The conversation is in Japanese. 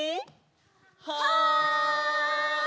はい！